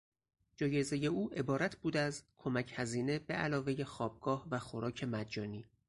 جایزهی او عبارت بود از کمک هزینه بعلاوهی خوابگاه و خوراک مجانی.